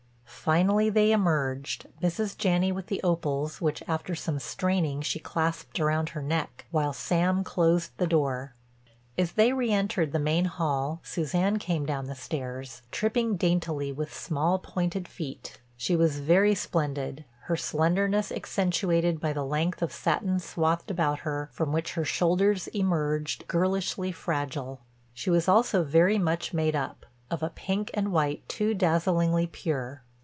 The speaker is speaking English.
Finally they emerged, Mrs. Janney with the opals which after some straining she clasped round her neck, while Sam closed the door. As they reëntered the main hall Suzanne came down the stairs, tripping daintily with small pointed feet. She was very splendid, her slenderness accentuated by the length of satin swathed about her, from which her shoulders emerged, girlishly fragile. She was also very much made up, of a pink and white too dazzlingly pure.